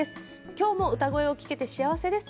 きょうも歌声を聴けて幸せです。